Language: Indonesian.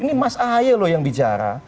ini mas ahy loh yang bicara